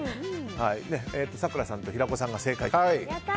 咲楽さんと平子さんが正解と。